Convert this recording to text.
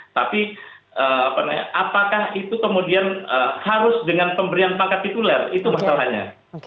tapi apakah itu kemudian harus dengan pemberian pangkat tituler itu masalahnya